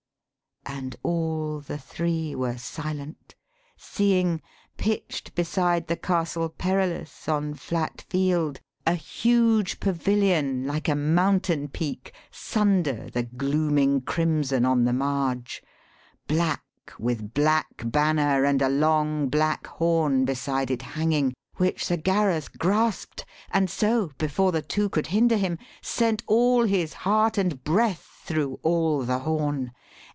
And all the three were silent, seeing, pitch'd Beside the Castle Perilous on flat field, A huge pavilion like a mountain peak 198 EPIC POETRY Sunder the glooming crimson on the marge, Black, with black banner, and a long black horn Beside it hanging; which Sir Gareth graspt, And so, before the two could hinder him, Sent all his heart and breath thro' all the horn.